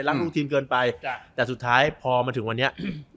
ลูกทีมเกินไปแต่สุดท้ายพอมาถึงวันนี้